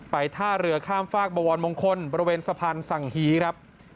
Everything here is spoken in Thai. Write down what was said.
ท่าเรือข้ามฝากบวรมงคลบริเวณสะพานสังฮีครับ